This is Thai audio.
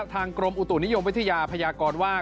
กรมอุตุนิยมวิทยาพยากรว่า